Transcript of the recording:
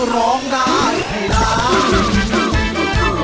ร้องได้ให้ร้าน